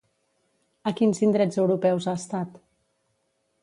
A quins indrets europeus ha estat?